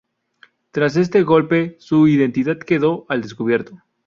Tras este golpe, su identidad quedó al descubierto.